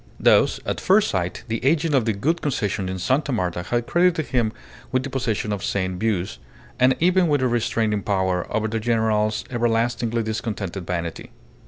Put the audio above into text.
Thus at first sight the agent of the Gould Concession in Sta. Marta had credited him with the possession of sane views, and even with a restraining power over the general's everlastingly discontented vanity.